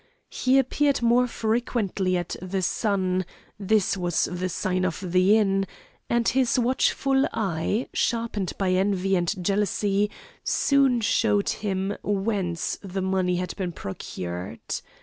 He appeared more frequently at the Sun this was the sign of the inn and his watchful eye, sharpened by envy and jealousy, soon showed him whence the money had been procured.